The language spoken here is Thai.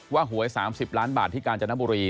หวย๓๐ล้านบาทที่กาญจนบุรี